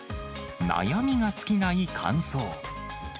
悩みが尽きない乾燥。